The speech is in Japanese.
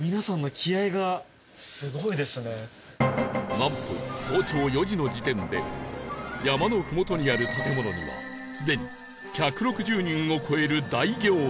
なんと早朝４時の時点で山のふもとにある建物にはすでに１６０人を超える大行列が